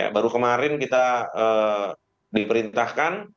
baru kemarin kita diperintahkan